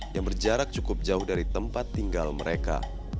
yang berjarak cukup jauh dari tempat tinggal mereka